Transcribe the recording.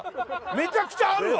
めちゃくちゃあるわ！